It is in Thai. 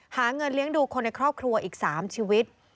หาเงินเลี้ยงดูคนในครอบครัวอีก๓ชีวิต